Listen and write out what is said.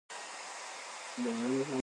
枵鬼假細膩